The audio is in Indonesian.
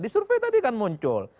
disurvey tadi kan muncul